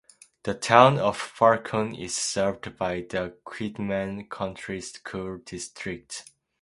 The Town of Falcon is served by the Quitman County School District.